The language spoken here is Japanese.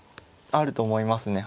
あると思いますね。